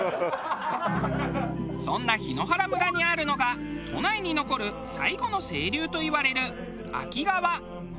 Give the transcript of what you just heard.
そんな檜原村にあるのが都内に残る最後の清流といわれる秋川。